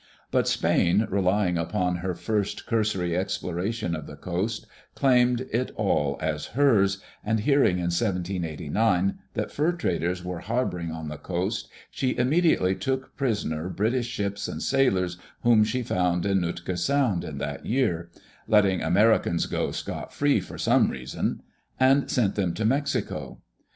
But Spain, relying upon her first cursory exploration of the coast, claimed it all as hers, and hearing in 1789 that fur traders were harboring on the coast, she immediately took prisoner British ships and sailors whom she found in Nootka Sound in that year — letting Americans go scot free for some reason — and sent them to Mexico.